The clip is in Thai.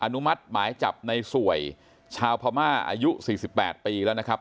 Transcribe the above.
นุมัติหมายจับในสวยชาวพม่าอายุ๔๘ปีแล้วนะครับ